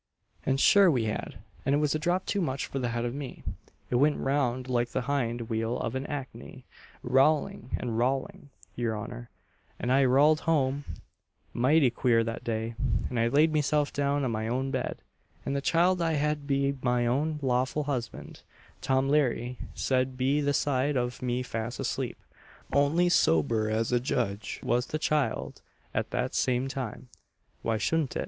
And sure we had, and it was a drop too much for the head of me it went round like the hind wheel of an ackney rowling and rowling, your honour, and I rowl'd home mighty queer that day; and I laid meself down on my own bed; and the child I had be my own lawful husband, Tom Leary, laid be the side of me fast asleep ounly sober as a judge was the child at that same time why shouldn't it?